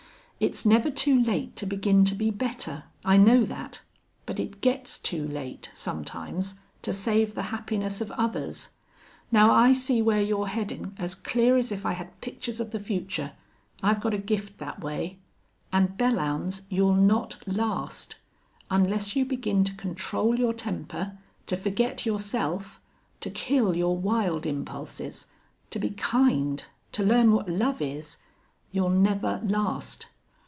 It's never too late to begin to be better. I know that. But it gets too late, sometimes, to save the happiness of others. Now I see where you're headin' as clear as if I had pictures of the future. I've got a gift that way.... An', Belllounds, you'll not last. Unless you begin to control your temper, to forget yourself, to kill your wild impulses, to be kind, to learn what love is you'll never last!...